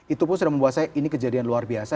itu pun sudah membuat saya ini kejadian luar biasa